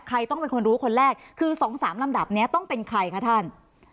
ใครต้องเป็นคนรู้คนแรกคือ๒๓ลำดับนี้ต้องเป็นใครคะท่าน